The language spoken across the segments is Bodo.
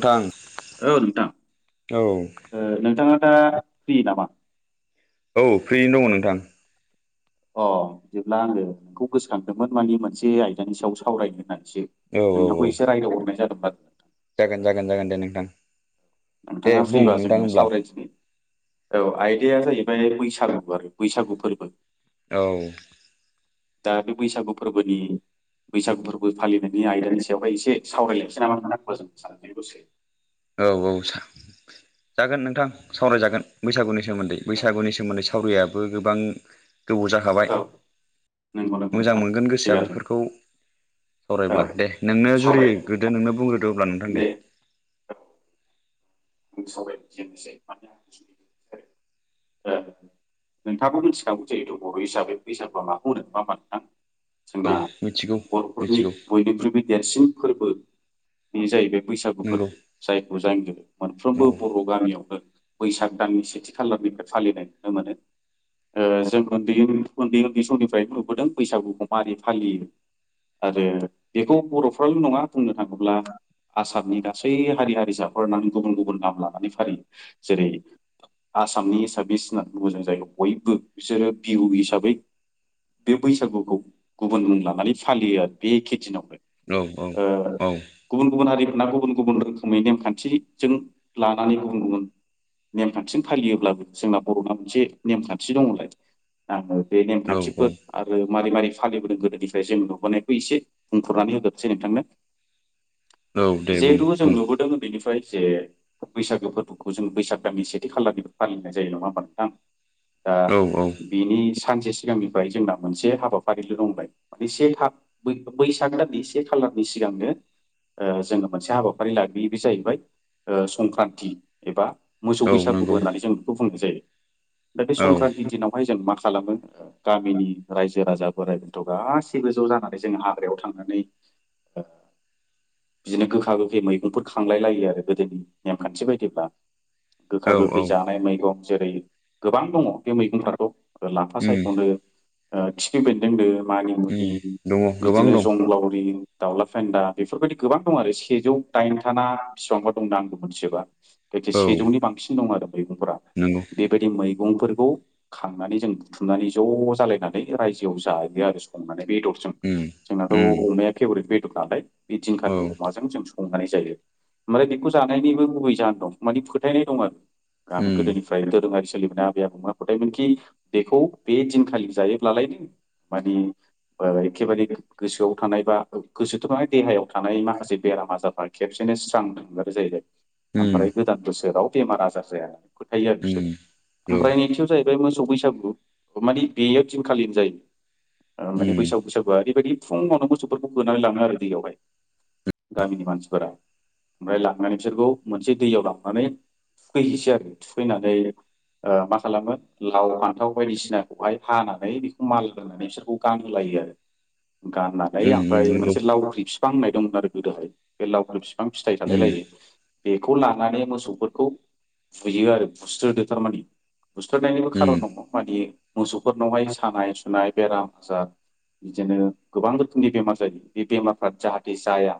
नोंथां औ नोंथां औ नोंथाङा दा फ्रि नामा औ फ्रियैनो दङ नोंथां अ बिदिब्ला आङो नोंखौ गोसोखांदोंमोन माने मोनसे आयदानि सायाव सावरायनो होननानै औ औ औ नोंथांखौ एसे रायदाव हरनाय जादोंमोन आरो जागोन जागोन जागोन दे नोंथां दे नोंथाङा बुं फ्रिबा नोंथां जोङो होमब्ला सावरायदिनि औ आयदाया जाहैबाय बैसागु आरो बैसागु फोरबो औ दा बे बैसागु फोरबोनि बैसागु फोरबो फालिनायनि आयदानि सायावहाय एसे सावरायलायनोसै नामा नोंथां जों [unintelligible] औ औ सावराय जागोन नोंथां सावरायजागोन बैसागुनि सोमोन्दै औ बैसागुनि सोमोन्दै सावरायियाबो गोबां गोबौ जाखाबाय औ नंगौ नंगौ मोजां नोंथां मोनगोन गोसोआ थिगानो बेफोरखौ औ सावरायब्ला दे नोंनो जुरि सावरायलायनो गोदो नोंनो बुंग्रो अब्ला नोंथां दे [unintelligible] नोंथाङाबो मिन्थिखागौ जेहेथु बर' हिसाबै बैसागुआ माखौ बुङो नङा होमबा नोंथां औ जोंना मिथिगौ बर'फोरनि मिथिगौ बयनिख्रुइबो देरसिन फोरबो बे जाहैबाय बैसागुफोर नंगौ जायखौ जायनि औ मोनफ्रोमबो बर' गामियावनो बैसाग दाननि सेथि खालारनिफ्राय फालिनाय नुनो मोनो। जों उन्दै उन्दै उन्दै समनिफ्राय नुबोदों बैसागुखौ मारै फालियो आरो बेखौ बर'फ्राल' नङा बुंनो थाङोब्ला आसामनि गासै हारि हारि हारिसाफोरना गुबुन गुबुन नाम लानानै फालियो जेरै आसामनि एसामिस होनना बुङो जों जायखौ जों बयबो बिसोरो बिहु हिसाबै बे बैसागुखौ गुबुन मुं लानानै फालियो आरो बे एखे दिनावनो औ औ गुबुन गुबुन हारिफोरना गुबुन गुबुन रोखोमनि नेमखान्थि जों लानानै गुबुन गुबुन नेमखान्थिजों फालियोब्लाबो जोंना बर'ना मोनसे नेमखान्थि दङलाय ना बे औ औ नेमखान्थिफोर आरो मारै मारै फालिबोदों गोदोनिफ्राय जों नुुबोनायखौ एसे बुंफोरनानै होजोबसै नोंथांनो औ दे बुं जिहेथु जों बुं नुबोदों उन्दैनिफ्राय। जे बैसागो फोरबोखौ जोङो बैसागो दाननि सेथि खालारनिफ्राय फालिनाय जायो नङा होमबा नोंथां। दा औ औ बिनि। सानसे सिगांनिफ्राय जोंना मोनसे हाबाफारिल' लोगोमोनबाय एसे थाग बैसाग दाननि से थार खालारनि सिगांनो जोङो मोनसे हाबाफारि लाग्रोयो बे जाहैबाय संक्रान्ति एबा औ मोसौ बैसागुबो नंगौ होननानै जों बेखौ बुंनाय जायो। दा बे औ संक्रान्ति दिनावहाय जों मा खालामो गामिनि रायजो राजा बोराय बेन्थ' गासैबो ज' जानानै जों हाग्रायाव थांनानै बिदिनो गोखा गोखै मैगंफोर खांलाय लायो आरो गोदोनि नेमखान्थि बायदिब्ला गोखा औ औ गोखै जानाय मैगं जेरै गोबां दङ बे मैगंफोरखौ लाफा उम सायख'नो खिफि बेन्दों नो मानामुनि उम दङ गोबां बिदिनो दं जंग्लावरि दाउला फेन्दा बेफोरबायदि गोबां दं आरो सेजौ दाइनथाना बिसिबांबा दंदां आंबो मोनथिजोबा जायखि औ सेजौनि बांसिन दं आरो मैगंफोरा नंगौ बेबायदि मैगंफोर बेखौ खांनानै जों बुथुमनानै ज' जालायनानै रायजोआव जायो आरो संनानै। बेदरजों उम जोंनाथ' उम अमाया फेभरेट बेदर नालाय बे औ दिंनखालि अमाजों। संनानै जायो ओमफ्राय बेखौ जानायनिबो गुबै जाहोन दं माने फोथायनाय दं आरो। गाम उम गोदोनिफ्राय [unintelligible] सोलिबोनाय आबेै आबौमोना फोथायमोनखि बेखौ बे दिनखालि जायोब्लालाय नो माने एखेबारे गोसोआव थानाय बा गोसोथ' थानाय देहायाव थानाय माखासे बेराम बेराम आजारफ्रा खेबसेनो स्रां थांगारो जाहैदों उम ओमफ्राय गोदान बोसोराव बेमार आजार जायानो फोथायो आरो उम बिसोरो औ ओमफ्राय नैथियाव जाहैबाय मोसौ। बैसागु माने बेयाव दिनखालिनो जायो माने उम बैसागु बैसागुआ ओरैबायादि। फुङावनो मोसौफोरखौ होनोनानै लाङो आरो दैयावहाय गामिनि मानसिफोरा ओमफ्राय। लांनानै बिसोरखौ मोनसे दैयाव लांनानै थुखैहैसै आरो थुखैनानै। मा खालामो लाव फान्थाव बायदिसिनाखौहाय हानानै बेखौ मान लोंनानै बिसोरखौ गानहोलायो। बिदि आरो। गाननानै उम उम ओमफ्राय नंगौ मोनसे लावख्रि बिफां होननाय दंमोन आरो गोदोहाय बे लावख्रि बिफां फिथाइ उम थालायलायो। बेखौ लानानै मोसौफोरखौ बुयो आरो बुस्रोदो थारमाने। बुस्रोदनायनिबो उम खारन दङ माने मोसौफोरनावहाय सानाय सुनाय बेराम आजार। बिदिनो गोबां रोखोमनि बेमार जायो बे बेमारफ्रा जाहाथे जाया।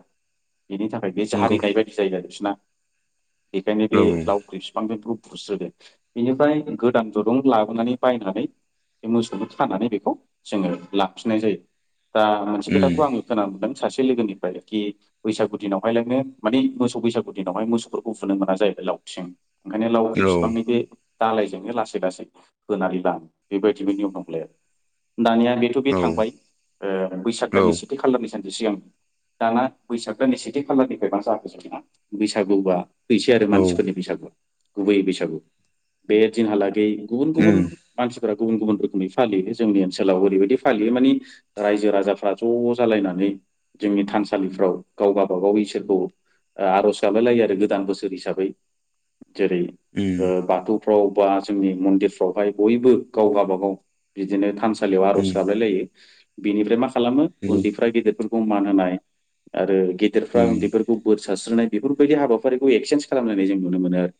बिनि थाखाय बे नंगौ जारिनाय बायदि जायो बिसोरना बेखायनो औ बे लावख्रि बिफांजों मोसौफोरख बुस्रोदो बेनिफ्राय गोदान दुंरुं लाबोनानै बायनानै। बे मोसौखौ खानानै बेखौ जोङो लाफिननाय जायो दा मोनसे उम खोथाखौ आङो खोना मोनदों। सासे लोगोनिफ्राय कि बैसागु दिनावहाय लायनोनो माने मोसौ बैसागु। दिनावहाय मोसौफोरखौ बुनो मोना जाहैबाय लावथिजों ओंखायनो लावख्रि औ बिफांनि बे दालायजोंनो लासै लासै होनानै लाङो बेबायदिनो नियम दंलाय आरो। दानिया बेथ' बे औ थांबाय बैसाग औ दाननि सेथि खालारनि सान सिगां दाना बैसाग दाननि सेथि खालारनिफ्रायबा [unintelligible] ना बैसागुबा फैसै आरो औ मानसिफोरनि बैसागुवा गुबै बैसागु बे दिनहालागै। गुबुन गुबुन उम मानसि गुबुन गुबुन रोखोमै फालियो जोंनि ओनसोलाव ओरैबायदि फालियो मानानि रायजो राजाफ्रा ज' जालायनानै जोंनि थानसालिफ्राव गावगा बागाव इसोरखौ आर'ज गाबलाय लायो आरो गोदान बोसोर हिसाबै जेरै उम बाथौ। फ्राव बा जोंनि मन्दिरफ्रावहाय बयबो गावबा गाबाव बिदिनो थानसालियाव आर'ज उम गाबलाय लायो। बेनिफ्राय मा। खालामो उन्दैफ्रा गेदेरफोरखौ मान होनाय आरो गेदेरफ्रा उन्दैफोरखौ बोर सारस्रोनाय बेफोरबायदि हाबाफारिखौ एक्सेन्स खालामलायनाय जों नुनो मोनो आरो।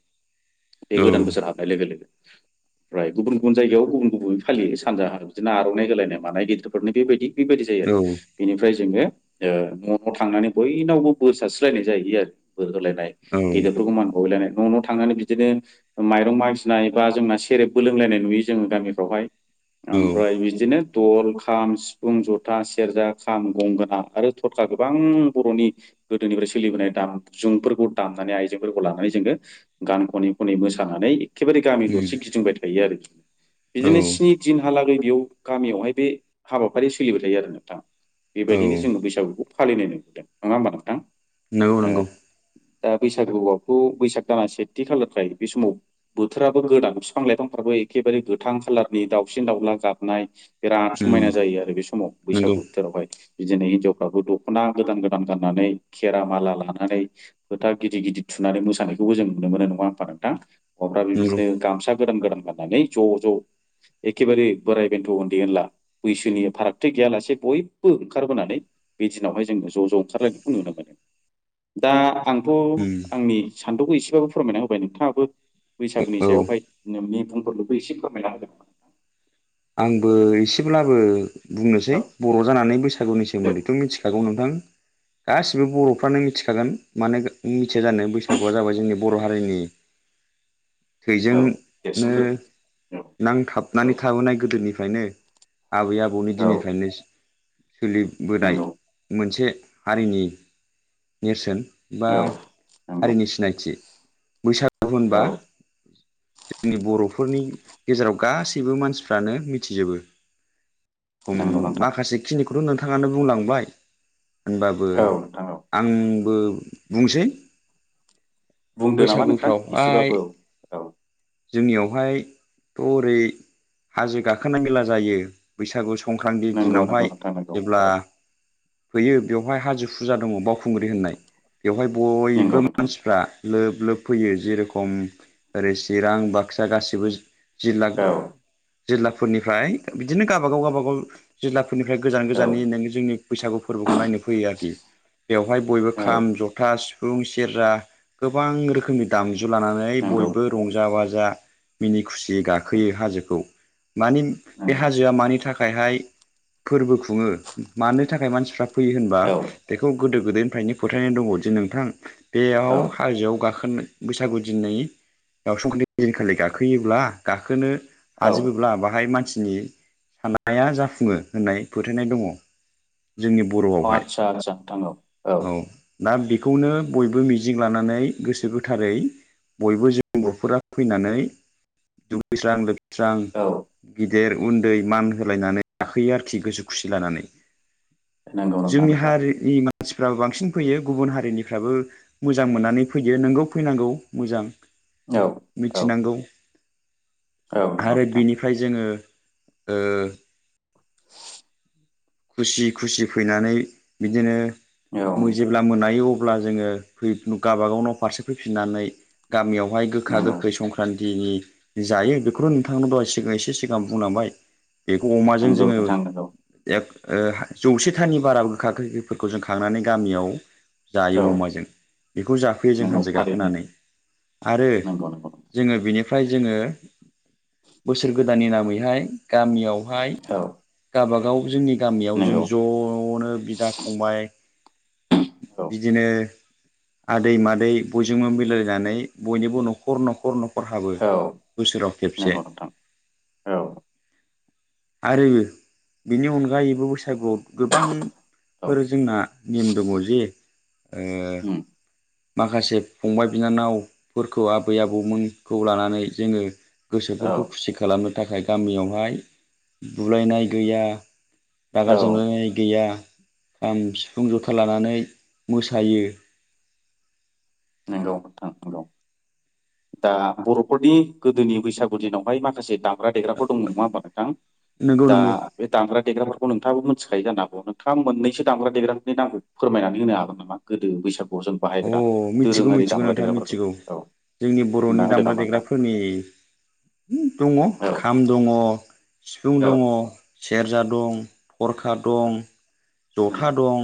बे गोदान नंगौ उम औ बोसार हाबनाय लोगो लोगो। ओमफ्राय गुबुन गुबुन जायगायाव गुबुन गुबुन फालियो सानजाहा बिदिनो आर'नाइ होलायनाय मानाय गिदिरफोरनो बेबायदि। बेबायदि जायो आरो औ बेनिफ्राय जोङो नफ्राव थांनानै बयनावबो बोर सारस्रोलायनाय जाहैयो आरो बोर होलाय। नाय औ गेदेरफोरखौ मान‌ होलायनाय न न थांनानै बिदिनो माइरं मागिनाय बा जोंना सेरेबबो लोंलायनाय नुयो जोङो गामिफ्रावहाय। [unintelligible] औ ओमफ्राय बिदिनो दल खाम सिफुं जथा सेरजा खाम गंगोना आरो थरखा। गोबां बर'नि गोदोनिफ्राय सोलिबोनाय दाम जुंफोरखौ दामनानै आइजेंफोरखौ लानानै जोङो गान खनै खनै मोसानानै। एखेबारे गामि उम दरसे गिदिंबाय थायो आरो औ बिदिनो स्नि दिन हालागै बेयाव गामियावहाय बे हाबाफारिया सोलिबाय थायो आरो नोंथाङा बेबायदिनो जोङो बैसागुखौ। फालिनाय नुबोदों नङा होमबा नोंथां। नंगौ नंगौ। दा बैसागुवावथ' बैसाग दाना सेथि खालार निफ्राय बे समाव बोथोराबो गोदान फिफां-लाइफां फ्राबो एखेबारे गोथां खालारनि दावउसिन दाउला गाबनाय बेराद उम समायना जायो आरो बे सम। माव बैसागु नंगौ बोथोरावहाय बिदिनो हिनजावफ्राबो दख'ना गोदान गोदान गाननानै खेरा माला लानानै। फोथा गिदिर गिदिर थुनानै मोसानायखौबो जों नुनो मोनो नङा होमबा नोंथां अब्ला बे नंगौ बिदिनो गामसा। गोदान गोदान गाननानै ज ज एखेबारे बोराइ बेन्थ' उन्दै ओनला बैसोनि फारागथि गैयालासे बयबो ओंखारबोनानै। बे दिनावहाय जोंनो ज' ज' ओंखारलायनायखौ नुनो मोनो दा आंथ' उम आंनि। सान्थौखौ एसेबाबो फोरमायना होबाय नोंथाङाबो। बैसागुनि औ सायावहाय नोंनि बुंफोरलुखौ एसे फोरमायना होदों। आंबो एसेब्लाबो औ बुंनोसै बर' जानानै बैसागुनि दे सोमोन्दैथ' मिथिखागौ नोंथां। [inaudible] गासिबो बर'फ्रानो मिथिखागोन मानोे मिथिया जानो बैसागुआ जाबाय जोंनि बर' हारिनि। [inaudible] औ थैजोंनो देरसिनफोर औ औ नांथाबनानै थाबोनाय गोदोनिफ्रायनो। आबै आबौनि औ दिननिफ्रायनो सोलिबोनाय नंगौ मोनसे हारिनि नेरसोन बा औ नंगौ हारिनि सिनायथि बैसागु औ होनबा। जोंनि बर'फोरनि गेजेराव गासैबो मानसिफ्रानो मिथिजोबो। नंगौ नोंथां माखासे खिनिखौथ' नोंथाङानो बुंलांबाय। होनबाबो औ नोंथां औ आंबो बुंसै बुंदो नामा नोंथां बैसागुफ्राव हाय एसेबाबो औ औ जोंनियावहायथ' ओरै हाजो गाखोनाय मेला जायो बैसागु सम संक्रान्ति नंगौ दिनावहाय नंगौ नोंथां नंगौ जेब्ला औ होयो बेवहाय हाजो फुजा दङ' बावखुंग्रि होननाय बेवहाय नंगौ बयबो नोंथां मानसिफ्रा लोब लोब फैयो जेरखम ओरै चिरां बाक्सा गासिबो जिल्ला औ जिल्लाफोरनिफ्राय बिदिनो गबागाव गावबागाव जिल्लाफोर फोरनिफ्राय गोजान औ गोजाननि नोङो जोंनि बैसागु फोरबोखौ नायनो फैयो आरोखि बेवहाय बयबो औ खाम जथा सि फुं सेरजा गोबां रोखोमनि दामजु लानानै नंगौ बयबो रंजा बाजा बाजा मिनि खुसियै गाखोयो हाजोखौ मानि बे नंगौ हाजोआ मानि थाखाय। थाखायहाय फोरबो खुङो मानो थाखाय मानसिफ्रा फैयो होनबा औ बेखौ। गोदो गोदायनिफ्रायनो फोथायनाय दङ' जे नोंथां बेयाव औ हाजोआव गाखो गोन बैसागु दिननि बा संख्रानथि दिनखालि गाखोयोब्ला गाखोनो औ। हाजोबोब्ला बाहाय मानसिनि साननाया जाफुङो होननाय फोथायनाय दङ। जोंनि बर'आवहाय आदसा आदसा नोंथां औ। दा बेखौनो बयबो मिजिं लानानै गोसो गोथारै बयबो जों बर'फोरा फैनानै दुगैस्रां लोबस्रां औ गिदिर उन्दै मान होलायनानै गाखोयो आरोखि गोसो खुसि लानानै नंगौ नोंथां जोंनि नंगौ हारिनि मानसिफ्राबो बांसिन फैयो गुबुन हारिनिफ्राबो मोजां मोननानै फैयो नोंगौ फैनांगौ मोजां। मिथिनांगौ औ‌ नंगौ आरो नोंथां। बिनिफ्राय जोङो ओ खुसि खुसि फैनानै औ बिदिनो जेब्ला मोनायो अ ब्ला जोङो गावाबागाव नाव फारसे फैफिननानै गामियावहाय गोखा नंगौ गोखै संक्रान्थि नि जायो बेखौनो नोंथांआनो दहाय सिगां एसे सिगां बुंलांबाय। बेखौ अमाजों नंगौ जोङो। नोंथां नंगौ जौसेथानि बारा गोखा गोखैफोरखौ जों खांनानै गामियाव जायो औ अमाजों बेखौ जाफोयो जों नंगौ हाजो थारैनो गाखोनानै आरो नंगौ नंगौ जोङो बेनि फ्राय जोङो बोसोर गोदाननि नामैहाय गामियाव बेहाय नोंथां। औ गावबागाव जोंनि गामियाव जों नंगौ ज'नो बिदा फंबाय औ बिदिनो आदै मादै बयजोंबो मिलायनानै बयनिबो न'खर न'खर न' खर हाबो औ बोसोराव खेबसे नंगौ नोंथां औ आरो बिनि अनगायैबो बैसागुआव औ गोबांफोर जोंना नेम दङ' जे ओ उम माखासे फंबाय बिनानावफोरखौ आबै आबौमोनखौ लानानै जोङो औ गोसोफोरखौ खुसि खालामनो थाखाय गामियावहाय बुलायनाय गैया रागा औ जोंलायनाय गैया खाम सिफुं जथा लानानै मोसायो नंगौ नोंथां नंगौ दा बर'फोरनि गोदोनि बैसागु दिनावहाय माखासे दाम ग्रा देग्राफोर दङ'मोन नङा होमबा नोंथां नंगौ दा नंगौ बे दामग्रा देग्राफोरखौ नोंथाङाबो मोनथि- खायो जानो हागौ। नोंथाङा मोननैसो दामग्रा देग्राफोरनि नामखौ फोरमायनानै होनो हागोन नामा गोदो बैसागुआव जों अ बाहायग्रा मिथिगौ दोरोङारि मिथिगौ दामग्रा नोंथाङा देग्राफोरखौ मिथिगौ औ जोंनि बर'नि बुंना होदो दामग्रा नामा नोंथां देग्राफोरनि दङ' औ खाम दङ' सिफुं दङ' सेरजा दं गरखा दं औ जथा दं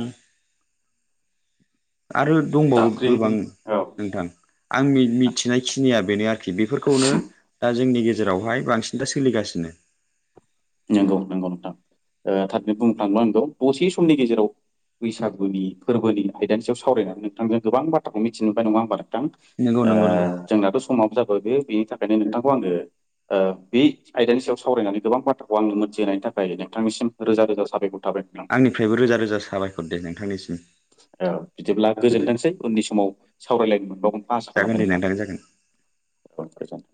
आरो दंबावो जाबख्रिं गोबां औ नोंथां आंनि मिथिनायखिनिया बेनो आरोखि बेफोरखौनो दा जोंनि गेजेराव जेरावहाय बांसिन दा सोलिगासिनो। नंगौ नंगौ नोंथां थारैनो बुंफ्लां आंथ' दसे समनि गेजेराव बैसागुनि फोरबोनि आयदानि सायाव सावरायनानै नोंथांजों गोबां बाथ्राखौ मिथिनो मोनबाय नङा ओमबा नोंथां नंगौ नंगौ नंगौ ओ जोंनाथ' समाबो जा बे बेनि थाखायनो नोंथांखौ आङो ओ बे आयदानि सायाव सावरायनानै गोबां बाथ्रा आंनो मोनथिहोनाय थाखाय नोंथांनिसिम रोजा रोजा साबायखर थाबाय नोंथां। आंनिफ्रायबो रोजा रोजा साबायखर दे नोंथांनिसिम औ बिदिब्ला गोजोनथोंसै उननि समाव सावरायलायनो मोनबावगोनखौ आसा जागोन खालामबाय नोंथां [inaudible] बहथ गोजान